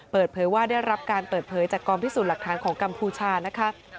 เปิดเผยว่าได้รับการเปิดเผยจากกองพิสูจน์หลักฐานของกัมพูชานะคะ